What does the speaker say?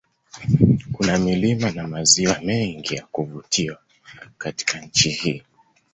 Kuna milima na maziwa mengi ya kuvutiw Katika nchi hii